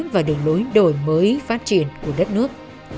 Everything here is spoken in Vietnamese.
và đường lối đổi mới phát triển của đất nước